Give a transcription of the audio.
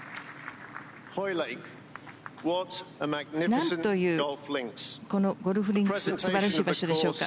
なんというゴルフリンクス素晴らしい場所でしょうか。